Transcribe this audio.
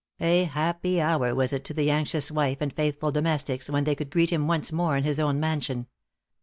A happy hour was it to the anxious wife and faithful domestics, when they could greet him once more in his own mansion.